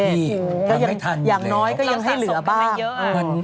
ไม่ทันหรอกพี่เราสะสมกันไม่เยอะอะอย่างน้อยก็ยังให้เหลือบ้าง